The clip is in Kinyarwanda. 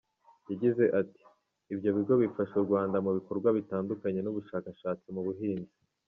Yagize ati “ Ibyo bigo bifasha u Rwanda mu bikorwa bitandukanye by’ubushakashatsi mu buhinzi .